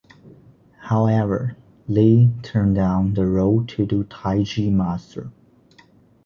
However, Li turned down the role to do "Tai-Chi Master".